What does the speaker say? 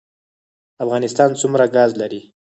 افغانستان څومره ګاز لري؟